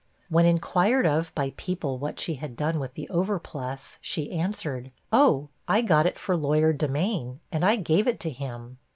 When inquired of by people what she had done with the overplus, she answered, 'Oh, I got it for lawyer Demain, and I gave it to him.